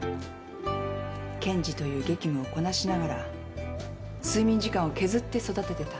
検事という激務をこなしながら睡眠時間を削って育ててた。